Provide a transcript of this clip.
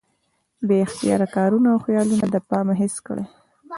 بې اختياره کارونه او خيالونه د پامه هېڅ کړي